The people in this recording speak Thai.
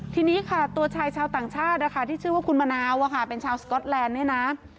ทีนี้ค่ะตัวชายชาวต่างชาตินะคะที่ชื่อว่าคุณมะนาวเป็นชาวสก๊อตแลนด์เนี่ยนะ